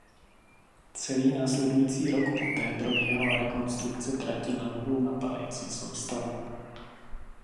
Celý následující rok poté probíhala rekonstrukce trati na novou napájecí soustavu.